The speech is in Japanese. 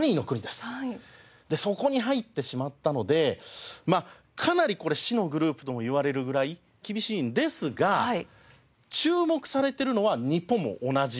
でそこに入ってしまったのでまあかなりこれ死のグループともいわれるぐらい厳しいんですが注目されてるのは日本も同じでして。